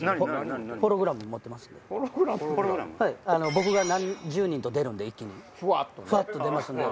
僕が何十人と出るんで一気にふわっと出ますんで。